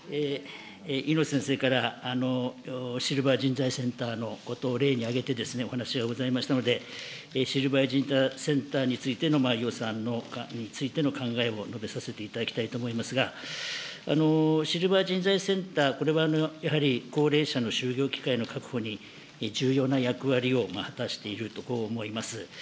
猪瀬先生からシルバー人材センターのことを例に挙げてお話がございましたので、シルバー人材センターについての予算についての考えを述べさせていただきたいと思いますが、シルバー人材センター、これはやはり高齢者の就業機会の確保に重要な役割を果たしていると、こう思います。